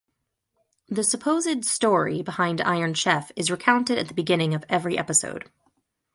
The supposed "story" behind "Iron Chef" is recounted at the beginning of every episode.